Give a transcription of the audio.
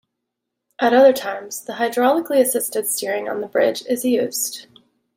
At other times, the hydraulically assisted steering on the bridge is used.